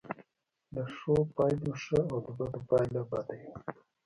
د ښو پایله ښه او د بدو پایله بده وي.